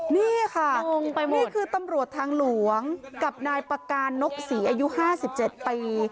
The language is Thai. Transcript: นี่คือตำรวจทางหลวงกับนายปาการนกศรีอายุห้าสิบเจ็ดปี